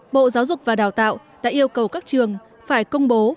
bộ giáo dục và đào tạo đã yêu cầu các trường phải công bố